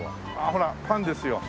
ほらパンですよ。